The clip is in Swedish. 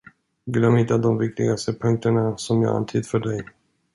Glöm inte de viktigaste punkterna, som jag antytt för dig.